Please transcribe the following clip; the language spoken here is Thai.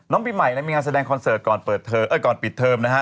น้องปีใหม่มีงานแสดงคอนเสิร์ตก่อนปิดเทอมนะครับ